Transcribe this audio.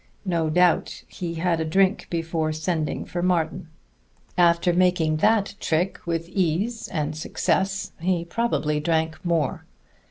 No doubt he had a drink before sending for Martin; after making that trick with ease and success, he probably drank more.